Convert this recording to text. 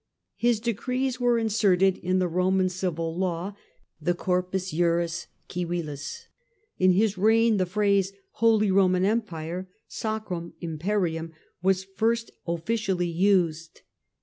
His decrees were inserted in the Roman Civil Law, the Corpus Juris Civilis ; in his reign the phrase " Holy Roman Empire " {Sacrum Imperium) was first officially used.